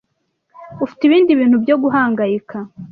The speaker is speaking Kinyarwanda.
Ufite ibindi bintu byo guhangayika.